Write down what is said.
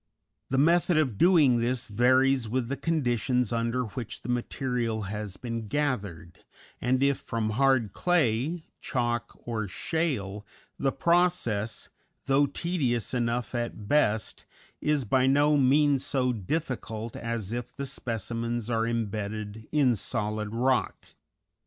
The method of doing this varies with the conditions under which the material has been gathered, and if from hard clay, chalk, or shale, the process, though tedious enough at best, is by no means so difficult as if the specimens are imbedded in solid rock.